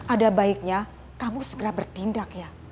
ada baiknya kamu segera bertindak ya